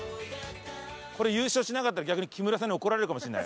これ優勝しなかったら逆に木村さんに怒られるかもしれない。